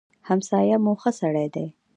همسايه مو ښه سړی دی.